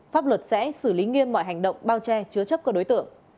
pháp luật sẽ xử lý nghiêm mọi hành động bao che chứa chấp các đối tượng